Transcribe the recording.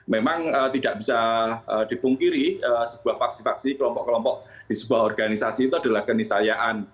memang tidak bisa dipungkiri sebuah faksi faksi kelompok kelompok di sebuah organisasi itu adalah kenisayaan